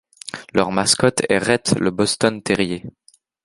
Leur mascotte est Rhett, le Boston Terrier.